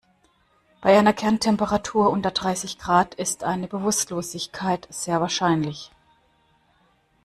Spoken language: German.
Bei einer Kerntemperatur unter dreißig Grad ist eine Bewusstlosigkeit sehr wahrscheinlich.